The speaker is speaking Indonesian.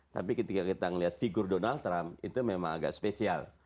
tapi ketika kita melihat figur donald trump itu memang agak spesial